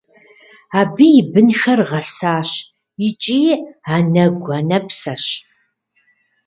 Абы и бынхэр гъэсащ икӏи анэгу-анэпсэщ.